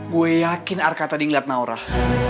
gue yakin arka tadi ngeliat naurah